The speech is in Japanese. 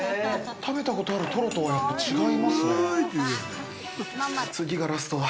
食べたことがあるトロとは違いますね。